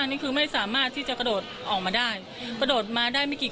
พูดสิทธิ์ข่าวธรรมดาทีวีรายงานสดจากโรงพยาบาลพระนครศรีอยุธยาครับ